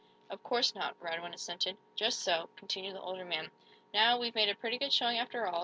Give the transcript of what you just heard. "Of course not," Radwin assented. "Just so," continued the older man, "now, we've made a pretty good showing, after all.